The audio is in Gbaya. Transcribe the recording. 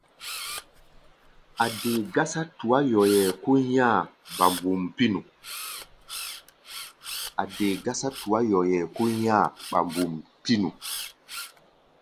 A̧ dee gásá tuá-yoyɛ kó nyá̧-a̧ ɓam-ɓum pínu.